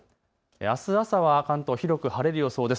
あす朝は関東広く晴れる予想です。